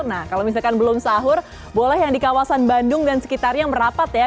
nah kalau misalkan belum sahur boleh yang di kawasan bandung dan sekitarnya merapat ya